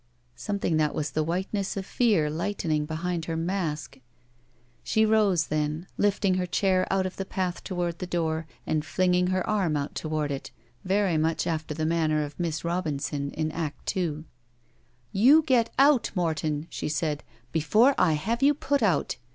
something that was the whiteness of fear lightening behind her mask. She rose then, lifting her chair out of the path toward the door and flinging her arm out toward it, very much after the manner of Miss Robinson in Act II. "You get out, Morton," she said, "before I have you put out.